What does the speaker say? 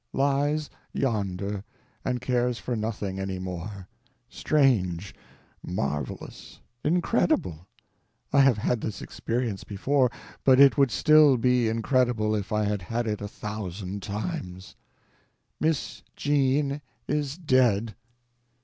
Lies yonder, and cares for nothing any more. Strange—marvelous—incredible! I have had this experience before; but it would still be incredible if I had had it a thousand times. "MISS JEAN IS DEAD!"